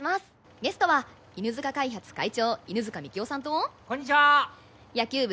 ゲストは犬塚開発会長犬塚樹生さんとこんにちは野球部